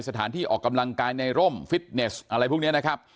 สถานที่ออกกำลังกายในร่มฟิตเนสอะไรพวกนี้นะครับ